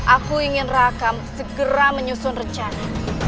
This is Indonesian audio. aku ingin rakam segera menyusun rencana